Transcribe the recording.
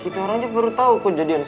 kita orang aja baru tahu kok jadi